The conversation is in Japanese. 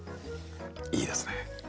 いいですね。